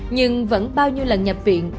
nhưng vẫn bao nhiêu lần nhập viện